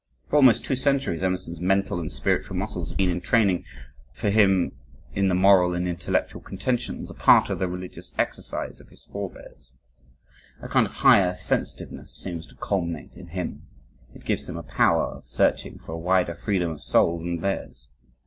For almost two centuries, Emerson's mental and spiritual muscles had been in training for him in the moral and intellectual contentions, a part of the religious exercise of his forebears. A kind of higher sensitiveness seems to culminate in him. It gives him a power of searching for a wider freedom of soul than theirs.